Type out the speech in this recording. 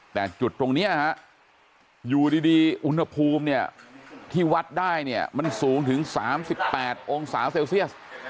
แต่จุดตรงนี้อยู่ดีอุณหภูมิเนี่ยที่วัดได้เนี่ยมันสูงถึง๓๘องศาเซลเซียส